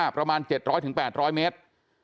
ประมาณ๗๐๐๘๐๐เมตร